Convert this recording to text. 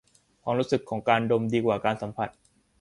ความรู้สึกของการดมดีกว่าการสัมผัส